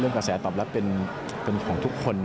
กระแสตอบรับเป็นของทุกคน